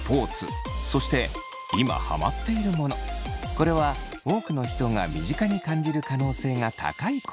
これは多くの人が身近に感じる可能性が高いこと。